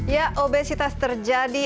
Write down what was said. ya obesitas terjadi